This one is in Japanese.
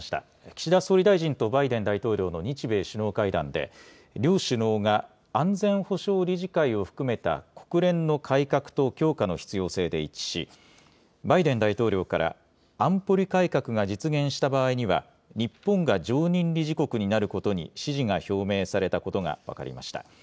岸田総理大臣とバイデン大統領の日米首脳会談で、両首脳が安全保障理事会を含めた国連の改革と強化の必要性で一致し、バイデン大統領から、安保理改革が実現した場合には、日本が常任理事国になることに支持が表明されたことが分かりました。